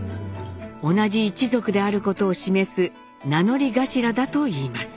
同じ一族であることを示す名乗り頭だといいます。